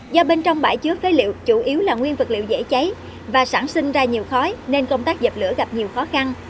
do bên trong bãi chứa phế liệu chủ yếu là nguyên vật liệu dễ cháy và sản sinh ra nhiều khói nên công tác dập lửa gặp nhiều khó khăn